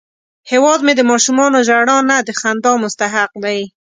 هیواد مې د ماشومانو ژړا نه، د خندا مستحق دی